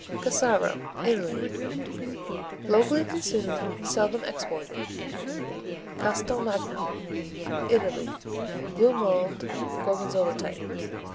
Cassaro Italy Locally consumed, seldom exported. Castelmagno Italy Blue mold, Gorgonzola type.